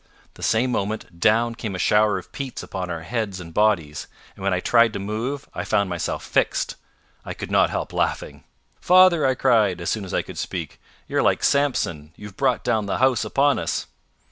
The same moment, down came a shower of peats upon our heads and bodies, and when I tried to move, I found myself fixed. I could not help laughing. "Father," I cried, as soon as I could speak, "you're like Samson: you've brought down the house upon us."